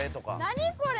・何これ？